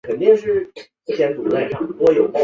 透过网站公布优良厂商名单